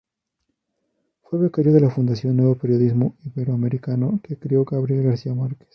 Fue becario de la Fundación Nuevo Periodismo Iberoamericano, que creó Gabriel García Márquez.